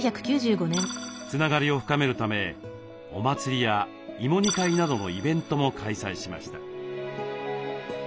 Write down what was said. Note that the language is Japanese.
つながりを深めるためお祭りや芋煮会などのイベントも開催しました。